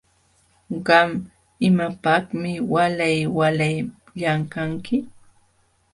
Qam ¿imapaqmi waalay waalay llamkanki?